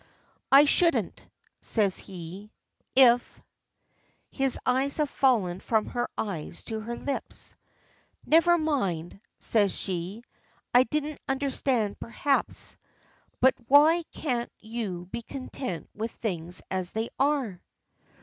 "I shouldn't," says he. "If " His eyes have fallen from her eyes to her lips. "Never mind," says she; "I didn't understand, perhaps. But why can't you be content with things as they are?"